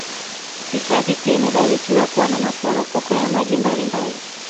Hifadhi pia imebarikiwa kuwa na maporopoko ya maji mbali mbali